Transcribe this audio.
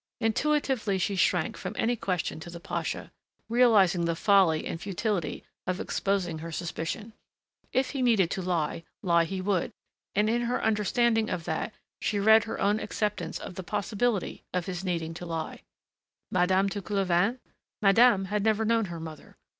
Intuitively she shrank from any question to the pasha, realizing the folly and futility of exposing her suspicion. If he needed to lie, lie he would and in her understanding of that, she read her own acceptance of the possibility of his needing to lie. Madame de Coulevain? Madame had never known her mother.